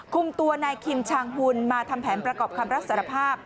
คุมตัวนายคิมชางหุ่นมาทำแผนประกอบคำรับสารภาพ